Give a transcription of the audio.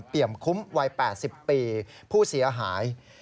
เปี่ยวคุ้มวัย๘๐ปีผู้เสียหาย